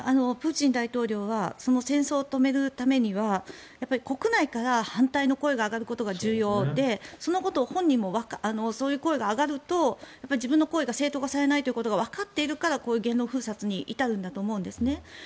プーチン大統領は戦争を止めるためにはやっぱり国内から反対の声が上がることが重要でそのことを本人もそういう声が上がると自分の行為が正当化されないということがわかっているから言論封殺に至るんだと思うんですね。